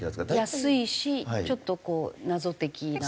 安いしちょっとこう謎的な。